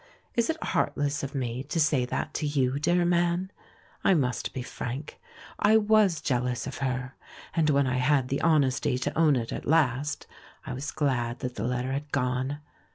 Is it heartless of me to say that to you, dear man? I must be frank. I was jealous of her, and when I had the honesty to own it at last, I was glad that the letter had gone.